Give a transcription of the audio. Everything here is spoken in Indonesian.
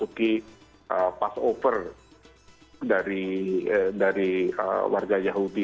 jadi pas over dari warga yahudi